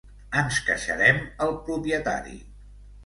Ens queixarem al propietari!